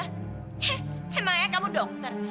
heh emangnya kamu dokter